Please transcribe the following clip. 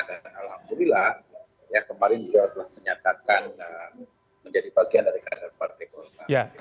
dan alhamdulillah kemarin jawa telah menyatakan menjadi bagian dari karyawan partai golkar